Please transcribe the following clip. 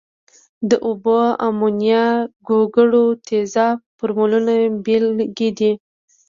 د اوبو، امونیا، ګوګړو تیزاب فورمولونه بیلګې دي.